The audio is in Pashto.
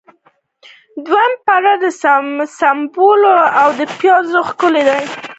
دویم پړاو د سمبولیکو اعتراضونو له کچې څخه اوړي.